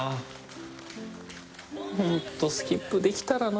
ホントスキップできたらな。